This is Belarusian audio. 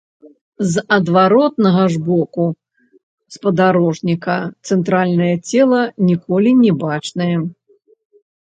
З адваротнага ж боку спадарожніка цэнтральнае цела ніколі не бачнае.